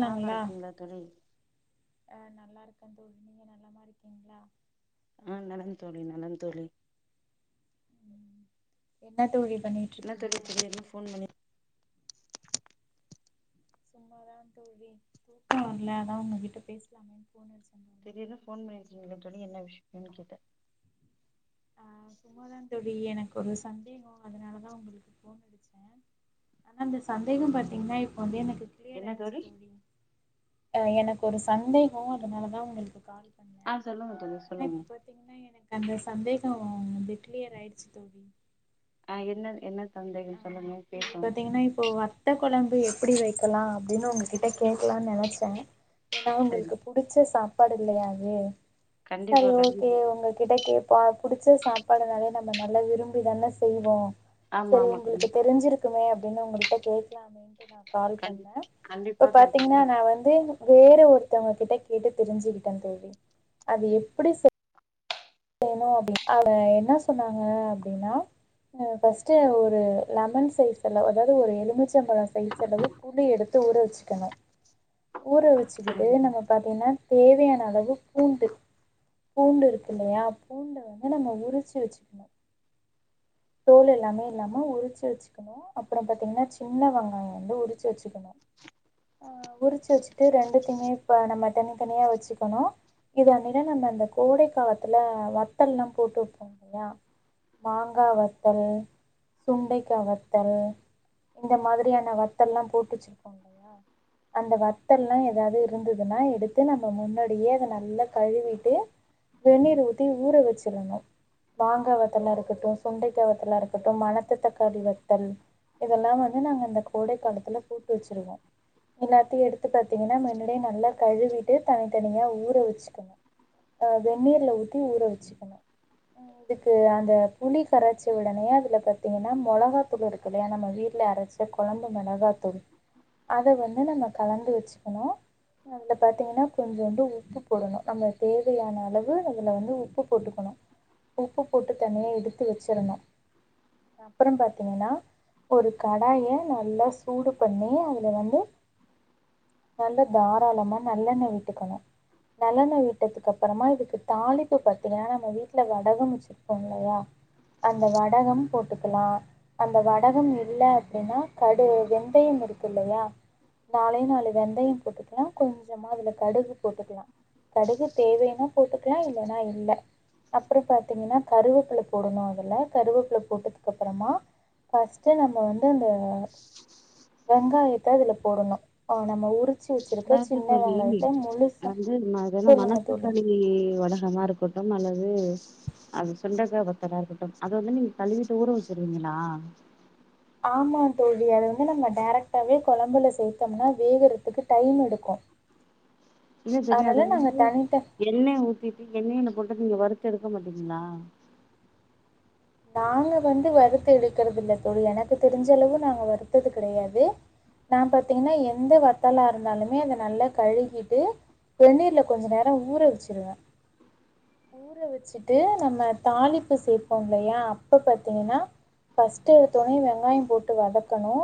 நலமா இருக்கீங்களா தோழி ஆஹ் நல்லா இருக்கே தோ நீங்க நலமா இருக்கீங்களா ஆஹ் நலன் தோழி-நலன் தோழி ம் என்ன தோழி பண்ணிட்டு என்ன இருக்கீங்க தோழி திடீர்னு ஃபோன் பண்ணி சும்மாதா தோழி தூக்கவரல அதான் உங்ககிட்ட பேசலாமே தோணிச்சி திடீர்ன்னு போன் பண்ணிங்கள சொல்லி என்ன விஷயமு கேட்ட ஆஹ் சும்மாதா தோழி எனக்கு ஒரு சந்தேகம் அதனாலதான் உங்களுக்கு போன் அடிச்சேன் ஆனா அந்த சந்தேகம் பாத்தீங்கன்னா இப்ப வந்து எனக்கு என்ன கௌரி அஹ் எனக்கு ஒரு சந்தேகோ அதனாலதா உங்களுக்கு கால் பண்ணே ஆ சொல்லுங்க தோழி ஆனா சொல்லுங்க இப்ப பாத்தீங்கன்னா எனக்கு அந்த சந்தே [unintelligible] கிளியர் ஆயிடுச்சு தோ ம் ஆஹ் என்னது என்னது ஆஹ் இது பாத்தீங்கன்னா இப்போ வத்தக் குழம்பு எப்படி வைக்கலாம் அப்படின்னு உங்ககிட்ட கேக்கலாம்னு நினைச்சேன் ஏன்னா சரி உங்களுக்கு புடிச்ச சாப் சாப்பாடு இல்லையா அது சரி கண்டிப்பா ஓகே கண்டிப்பா உங்ககிட்ட கே பா பிடிச்ச சாப்பாடுனாலே நம்ம நல்லா விரும்பிதான செய்வோ ஆமா சரி ஆமா உங்களுக்கு கண்டிப்பா தெரிஞ்சிருக்குமே அப்டின்னு உங்க கிட்ட கேக்கலாமேண்ட்டு நா கால் கண்டி பண்னா கண்டிப்பா இப்ப பாத்தீங்கன்னா கண்டிப்பா நான் வந்து வேற ஒருத்தவங்க கிட்ட கேட்டு தெரிஞ்சுகிட்டே தோழி அது எப்டி சொ என்ன வேணு அவ என்ன சொன்னாங்க அப்படின்னா பஸ்ட்டு ஒரு லெமன் சைஸ்சு அதாவது ஒரு எலுமிுச்சம்பழம் சைஸ் அளவு புளிி எடுத்து ஊற வச்சுக்கணும் ஊற வச்சு வச்சுக்கிட்டு சரிங்க நம்ம பார்த்தீங்கன்னா தேவையான அளவு பூண்டு பூண்டு இருக்கு இல்லையா பூண்டு வந்து நம்ம உரிச்சு வச்சுக்கணும் தோல் எல்லாமே இல்லாம உரிச்சு வச்சுக்கணு அப்புறோ பாத்தீங்கன்னா சின்ன வெங்காயோ வந்து உரிச்சு வச்சுக்கணு அஹ உரிச்சு வச்சுட்டு ரெண்டுத்துமே இப்ப நம்ம தனித்தனியா வச்சுக்கணு இது என்னா நம்ம அந்த கோடைக்காலத்துல வத்தல் எல்லாம் போட்டு வைப்போம் இல்லையா மாங்கா வத் சுண்டைக்காய் வத்தல் இந்த மாதிரியான வத்தல் எல்லாம் போட்டு வச்சிருப்போம் இல்லையா அந்த வத்தல் எல்லா ஏதாவது இருந்ததுன்னா எடுத்து நம்ம முன்னாடியே அதை நல்லா கழுவிட்டு வெநீர் ஊத்தி ஊற வச்சிடணும் மாங்காய் வத்தலா இருக்கட்டும் சுண்டைக்க வத்தலா இருக்கட்டும் மணத்து தக்காளி வத்தல் இதெல்லா வந்து நாங்க இந்த கோடை காலத்துல போட்டு வச்சிருவோ எல்லாத்தையும் எடுத்து பாத்தீங்கன்னா முன்னடியே நல்லா கழுவிட்டு தனித்தனியா ஊற வச்சுக்கணு ஆ வெந்நீர்ல ஊத்தி ஊற வச்சுக்கணும் இதுக்கு அந்த புளி கரைச் வந்து உடனே அதில் பாத்தீங்கன்னா மிளகா தூள் இருக்கு இல்லையா நம்ம வீட்டில் அரைச்ச குழம்பு மிளகா தூள் அதை வந்து நம்ம கலந்து வச்சுக்கணும் அதில் பாத்தீங்கன்னா கொஞ்சோண்டு உப்பு போடணும் நம்ம தேவையான அளவு அதில் வந்து உப்பு போட்டுக்கணும் உப்பு போட்டு தனியாக எடுத்து வச்சிடணும் அப்புறம் பாத்தீங்கன்னா ஒரு கடாய நல்லா சூடு பண்ணி அதுல வந்து நல்ல தாராளமா நல்லெண்ணெய் விட்டுக்கணும் நல்லெண்ணெய் விட்டதுக்கு அப்புறமா இதுக்கு தாளிப்பு பாாத்தீங்கன்னா நம்ம வீட்டுல வடகம் வச்சுிருப்போம் இல்லையா அந்த வடகம் போட்டுக்கலாம் அந்த வடகம் இல்லை அப்படின்னா கடு வெந்தயம் இருக்கு இல்லையா நாலெ நாலு வெந்தயம் போட்டுக்கலாம் கொஞ்சமா அதுல கடுகு போட்டுக்கலாம் கடுகு தேவைன்னா போட்டுக்கலா இல்லனா இல்ல அப்ற பாத்தீங்கன்னா கருவேப்பில போடணு இல்ல கருவேப்புல போட்டதுக்கு அப்புறமா பஸ்ட் நம்ம வந்து இந்த வெங்காயத்த அதுல போடணு ஆ நம்ம உரு அதாவது சொல்லி வந்து சொல்லுங்கள் தோழி மனத்துதக்காளி வடகமா இருக்கட்டும் அல்லது அது சுண்டகவத்தல இருக்கட்டும் அது வந்து நீங்க கழுவிட்டு ஊற வச்சிருவீங்களா ஆமா தோழ அது வந்து நம்ம டேரெக்ட்டாவே கொழம்புல சேர்தோமனா வேகத்துக்கு டைம் எடுக்கும் இது தெரியதா அதை அதனால் வந்து நாங்கள் தனித்த எண்ணெய் ஊத்திட்டு எண்ணெயல போட்டு நீங்க வரு [unintelligible] எடுக்க மாட்டீங்களா நாங்க வந்து வறுத்து எடுக்கிறது இல்ல தோடு எனக்கு தெரிஞ்சளவு நாங்க வருத்தது கிடையாது நான் பாத்தீங்கன்னா எந்த வத்தலா இருந்தாலுமே அத நல்லா கழுவிட்டு வெண்ணிருல கொஞ்ச நேரம் ஊர வச்சிருவேன் ஊற வச்சுட்டு நம்ம தாளிப்பு சேர்ப்போம் இல்லையா அப்போ பார்த்தீங்கனா ஃபர்ஸ்ட் எடுத்தவொனே வெங்காயம் போட்டு வதக்கணும்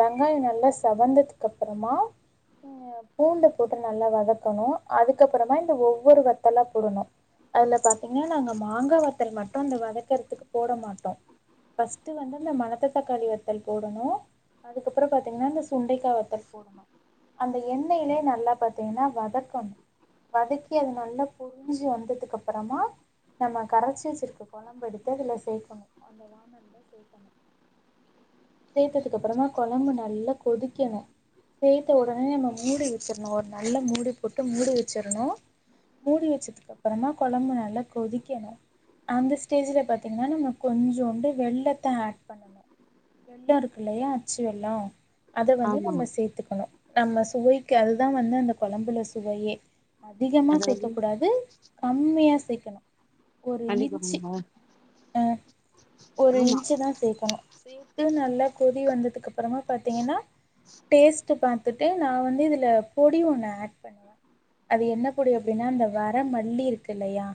வெங்காயம் நல்லா சவந்ததுக்கு அப்புறமா பூண்டு போட்டு நல்லா வதக்கணும் அதுக்கப்புறமா இந்த ஒவ்வொரு வத்தலா போடணும் அதுல பா்த்தீங்கன்னா நாங்க மாங்கா வத்தல் மட்டும் அந்தவதக் வக்கறதுக்கு போட மாட்டோம் ஃபர்ஸ்ட் வந்து அந்த மணத்த தக்காளி வத்தல் போடணும் அதுக்கப்புறம் பா்த்தீங்கன்னா இந்த சுண்டைக்காய் வத்தல் போடணும் அந்த எண்ணெயிலே நல்லா பா்த்தீங்கன்னா வதக்கணும் வதக்கி அது நல்லா பு ரிஞ்சு வந்ததுக்கு அப்புறமா நம்ம கரைச்சி வச்சிருக்க குழம்பு எடுத்து இதுல சேர்க்கணும் அந்த வானல்ல சேர்க்கணும் சேத்ததுக்கு அப்புறமா குழம்பு நல்லா கொதிக்கணும் சேத்த உடனே நம்ம மூடி வச்சிரணும் ஒரு நல்ல மூடி போட்டு மூடி வச்சிடணும் மூடி வச்சதுக்கு அப்புறமா குழம்பு நல்லா கொதிக்கணும் அந்த ஸ்டேஜ்ல பத் பா்த்தீங்கன்னா நம்ம கொஞ்சோண்டு வெல்லத்த ஆட் பண்ணணும் வெல்லம் இருக்கு இல்லையா அச்சு வெல்லம் அத வந்து ஆமா நம்ம சேர்த்துக்கணும் நம்ம சுவைக்கு அதுதான் வந்து அந்த குழம்புல சுவையே அதிகமாக அதாவது சேர்க்கக்கூடாது கம்மியாக சேர்க்கணும் அள்ளி போடணுமா ஒரு இன்ச்சு தான் சேர்க்கணும் சேர்த்து நல்லா கொதி வந்ததுக்கு அப்புறமா பாத்தீங்கன்னா டேஸ்ட் பார்த்துட்டு நான் வந்து இதுல பொடி ஒண்ணு ஆட் பண்ணுவேன் அது என்ன பொடி அப்படின்னா அந்த வர மல்லி இருக்கு இல்லையா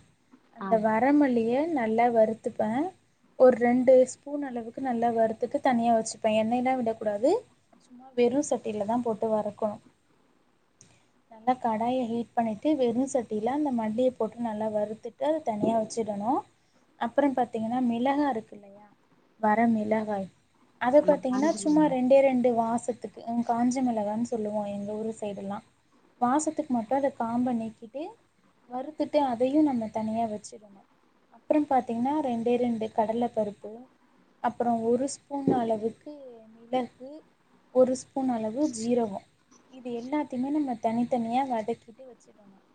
அந்த ஆமா வரமலியே நல்லா வருத்து ஒரு ரெண்டுஸ்பூன் அளவுக்கு நல்லா வறுத்துட்டு தனியா வச்சுப்பேன் எண்ணெயிலே விடக்கூடாது சும்மா வெறும் சட்டில தான் போட்டு வறுக்கணும் நல்லா கடாய ஹீட் பண்ணிட்டு வெறும் சட்டியில அந்த மல்லிய போட்டு நல்லா வறுத்துட்டு அது தனியா வச்சிடணும் அப் அப்புறம் பாத்தீங்கன்னா மிளகாய் இருக்கு இல்லையா வர மிளகாய் அத நம்ம பாத்தீங்கன்னா காஞ்ச சும்மா மிளகா ரெண்டே ரெண்டு வாச வாசத்துக்கு காஞ்சி மிளகான்னு சொல்லுவோம் எங்க ஊர் சைடு எல்லாம் வாசத்துக்கு மட்டும் அத காம்ப நீக்கிட்டு வருறுத்துட்டு அதையும் நம்ம தனியா வச்சிடணும் அப்புறம் பார்த் பார்த்தீங்கன்னா ரெண்டே ரெண்டு கடலை பருப்பு அப்புறம் ஒரு ஸ்பூன் அளவுக்கு மிளகு ஒரு ஸ்பூன் அளவு ஜீரகம் இது எல்லாத்தையுமே நம்ம தனித்தனிய வதக்கிட்டு வெச்சிடணும்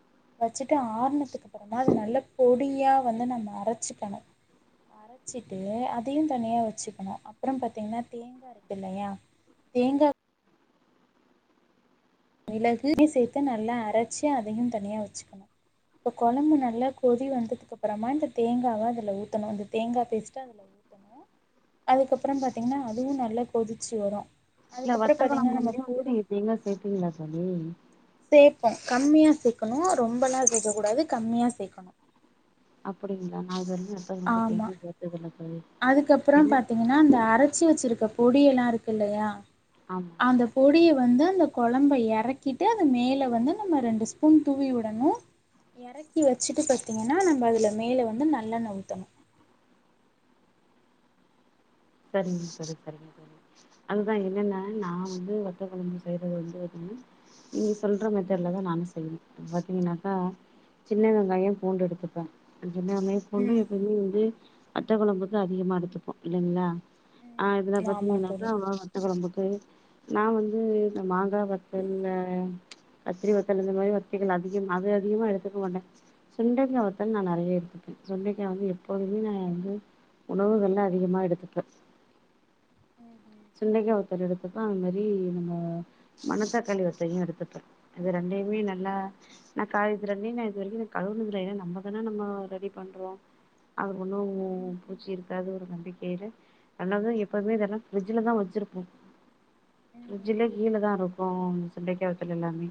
வச்சுட்டு ஆர்னத்துக்குப்புறமா அது நல்ல பொடியா வந்து நம்ம அரை ச்சக்கணும் அரைச்சிட்டு அதையும் தனியா வச்சுக்கணும் அப்புறம் பாத்தீங்கன்னா தேங்காய் இருக்கு இல்லையா தேங்காய் மிளகு சேர்த்து நல்லா அரைச்சு அதையும் தனியா வச்சுக்கணும் இப்ப குழம்பு நல்லா கொதி வந்ததுக்கு அப்புறமா இந்த தேங்காவா அதுல ஊத்தணும் இந்த தேங்காய் பேஸ்டா அதுல ஊத்தணும் அதுக்கப்புறம் பா்த்தீங்கன்னா அதுவும் நல்லா கொதிச்சு வரும் இல்ல அதுக்கப்புறம் பார்த்திங்கன்னா நம்ம வத்தக்கழம்பலே வந்து பொடி நீங்க எங்க சேர்த்தீங்களா ம்ம் சேப்போம் கம்மியா சேர்க்கணும் ரொம்பலாம் சேர்க்கக்கூடாது கம்மியாக சேர்க்கணும் அப்படிங்களா நான் இதுவரையும் எப்பயும் கேள்விப்பட்டதில்லை அதுக்கப்புறம் பாத்தீங்கன்னா அந்த அரை பிரிச்சு வச்சிருக்க பொடி எல்லாம் இருக்கு இல்லையா ஆமா அந்த பொடியை வந்து அந்த குழம்ப இறக்கிட்டு அது மேல வந்து நம்ம ரெண்டு ஸ்பூன் தூவி விடணும் இறக்கி வச்சுட்டு பாத்தீங்கன்னா நம்ம அதுல மேல வந்து நல்லெண்ண ஊத்தணும் சரிங்க சரி சரிங்க சரி அதுதான் என்னன்னா நான் வந்து வத்த குழம்பு செய்யறது வந்து பா்த்தீங்கன்னா நீங்க சொல்ற மெத்தேட்லதான் நானும் செய்யணும் பாத்தீங்கன்னாக்கா சின்ன வெங்காயம் பூண்டு எடுத்துப்பேன் ஏன்னா மேற்கொண்டு ம் எப்படி வந்து வத்த குழம்புக்கு அதிகமா எடுத்துப்போம் இல்லைங்களா ஆஹ் இதுலாம் ஆமா பாத்தீங்கன்னாக்கா தோழி அவ வத்த குழம்புக்கு நான் வந்து இந்த மா அத பத்தல்ல கத்திரி வத்தல் இந்த மாதிரி வத்தைகள் அதிகம் அத அதிகமா எடுத்துக்க மாண்டேன் சுண்டைக்காய் வத்தல் நான் நிறைய எத்துப்பேன் சுண்டைக்காய் வந்து பொதவிநாயந்து உணவுகலாம் அதிகமாக எடுத்து [unintelligible] ம்ஹும் சுண்டைக்காய் வத்தல் எடுத்தப்ப அது மாரி நம்ம மனத்தாக்காளி வத்தையும் எடுத்துப்பேன் இது ரெண்டையுமே நல்லா நான் கா இது ரெண்ட நான் இது வரைக்கும் கழுவுனது இல்ல நம்மதானே நம்ம ரெடி பண்றோம் ஒன்னும் ம்ஹும் பூச்சி இருக்காத ஒரு நம்பிக்கையில அல்லது எப்போதுமே இதல்லா பிரட்ஜ்ல தான் வச்சிருப்போம் ம்ஹும் ஃப்ரிட்ஜ்ஜில கீழ தான் இருக்கும் சுண்டைக்கா வத்தல் எல்லாமே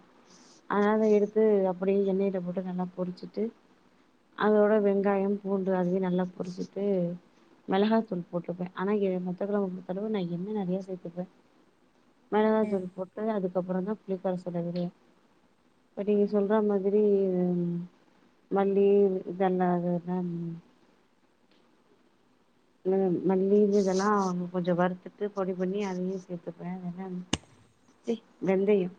ஆன எடுத்து அப்டி எண்ணெயில் அது மட்டும் நல்லா பொரிச்சுட்டு அதோட வெங்காயம் பூண்டு அதிக நல்ல புரிச்சி கு மெளகா தூள் போட்ருப்பேன் ஆனா எ [unintelligible] கடவ நான் என்ன நறையா சேத்துப்பேன் மிளகாய் தூல் போட்டு அதுக்கப்புறம் தான் [unintelligible] இப்ப நீங்க சொல்ற மாதிரி மல்லி இதெல்லாம்துல்லாம் ம் மல்லி இது இதெல்லாம் கொஞ்சம் வருத்துட்டு பொடி பண்ணி அதையும் சேர்த்துப்பேன் [unintelligible] வெந்தயம்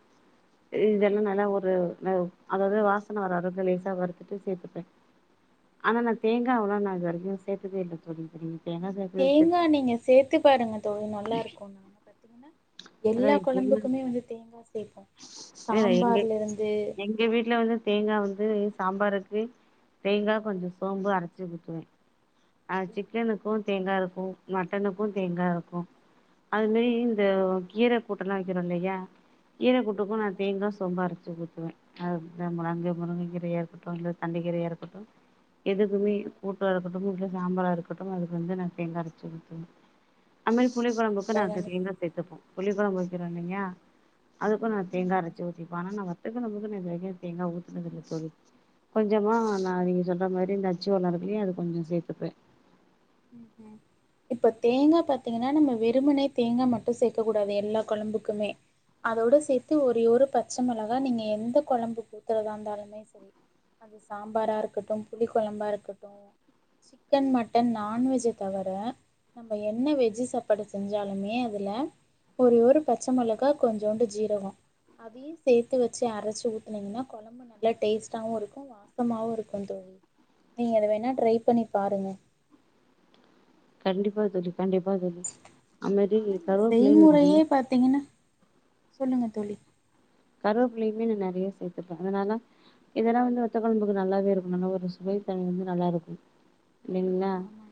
இது இதெல்லாம் நல்லா ஒரு வாவு அதாவது வாசன வர அளவுக்கு லேசா வறுத்துட்டு சேர்த்துப்பேன் ஆனா நான் தேங்காவளாம் நான் இது வரைக்கும் சேர்த்ததே இல்ல தோழி சரி தேங்காய் நீங்க சேர்த்து பாருங்க தோழி நல்லா இருக்கும் நாங்க பாத்தீங்ன்னா அதா எல்லா தேங்கா கொழம்புக்குமே வந்து தேன்ங் பஸ் [inaudible] எங்க எங்க வீட்டுல வந்து தேங்காய் வந்து சாம்பாருக்கு தேங்காய் கொஞ்சம் சோம்பு அரைச்சி ஊத்துவேன் ஆஹ் சிக்கனுக்கும் தேங்காய் இருக் மட்டனுக்கும் தேங்கா இருக்கும் அது மாரி இந்த கீரை கூட்டலாம் வைக்கிறோம் இல்லையா கீரை குட்டுக்கும் நான் தேங்க சேம்ப அரைச்சு கொடுத்துவேன் அஹ முழங்கு முருங்க கீரை ஏற்பட்டும் தண்டு கிறையா இருக்கட்டும் [unintelligible] சாம்பலா இருக்கட்டும் அதுக்கு வந்து நான் தேங்கா அரச்சி ஊத்துவேன் அது மாரி புலிகொளம்புக்கு கண்டிப்பா நாங்க கண்டிப்பா தேங்கா சேத்துப்போம் புளிக்கொழம்பு வக்கிரனியா அதுக்கு நான தேங்காய அரைச்சு ஊத்திப்பேண் ஆனா வத் இதுக்கு நமக்கு நேத்து தேங்காய் ஊத்துனதுல்ல தோழி கொஞ்சமா நான் நீங்க சொல்ற மாரி வீட்ல அச்சு வெல்லம் இருக்குள்ளாய இத கொஞ்சம் சேர்த்து ருப்பேன் இப்ப தேங்காய் பாத்தீங்கன்னா நம்ம வெறுமனே தேங்கா மட்டும் சேர்க்க கூடாது எல்லா குழம்புக்குமே அதோட சேர்த்து ஒரே ஒரு பச்சை மிளகா நீங்க எந்த குழம்புக்கு ஊத்துறதா இருந்தாலுமே சரி அது சாம்பாரா இருக்கட்டும் புளி குழம்பா இருக்கட்டும் சிக்கன் மட்டன் நான்வெஜ்ஜை தவிர நம்ம என்ன வெஜ் சாப்பாடு செஞ்சாலுமே அதுலா ஒரே ஒரு பச்சை மிளகா கொஞ்சுண்டு ஜீரகம் அதையும் சேர்த்து வச்சு அரைச்சி ஊத்தீனீங்கன்னா குழம்பு நல்ல டேஸ்ட்டாவும் இருக்கும் வாசமாவும் இருக்கும் தோழி நீங்க அத வேணுணா ட்ரை பண்ணி பாருங்க கண்டிப்பா சொல்லு கண்டிப்பா சொல்லு ஆனா இந்த செய்முறையே பாத்தீங்கன்னா சொல்லுங்க தோழி கருவேப்பிள்ளையுமே நான் நிறைய சேர்த்துப்பே அதனால இதெல்லாம் வந்து வத்த குழம்புக்கு நல்லாவே இருக்கணும்னா ஒரு சுவை வந்து நல்லா இருக்கும் இல்லங்களா ஆமா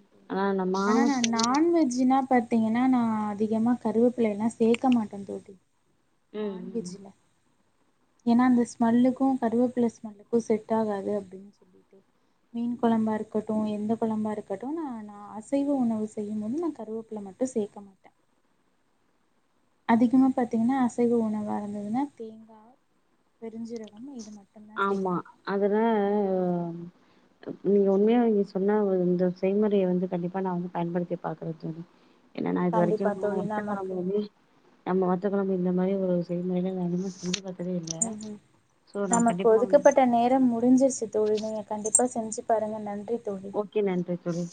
ஆனா ந நான்வெஜ்னா பாத் பாதீங்கன்னா நா அதிகமா கருவேப்பில எல்லா சேர்க்க மாட்டேன் தோழி ம் ம் நான்வெஜில ஏனா அந்த ஸ்மெல்லுக்கும் கருவேப்பிலை ஸ்மெல்லுக்கும் செட் ஆகாது அப்படின்னு சொலிட்டு மீன் குழம்பா இருக்கட்டும் எந்த குழம்பா இருக்கட்டும் நான் நான் அசைவ உணவு செய்யு போது நா கருவேப்பில மட்டும் சேர்க்க மாட்டேன் அதிகமா பாத்தீங்கன்னா அசைவ உணவா இருந்ததுன்னா தேங்காய் பெருஞ்சீரகம் இது மட்டும் ஆமா அதன இஇ நீ உண்மையா இத சொன்ன இந்த செய்முறைய வந்து கண்டிப்பா நா வந்து பயன்படுத்தி பாக்குரே தோழி என்னன்னா இது கண்டிப்பா வரைக்கும் தோழி வத்த குழம்பு நமக்கு வந்து ஆமா வத்தக்கொழம்பு இந்த மாரி ஒரு செய்முறையில நா அதிகமா செஞ்சி பாத் தெரியல ம் ம் சோ ந நமக்கு ஒதுக்கப்பட்ட நேரம் முடிஞ்சிருச்சு தோழி நீங்க கண்டிப்பா செஞ்சு பாருங்க நன்றி இப் ஓகே நன்றி தோழி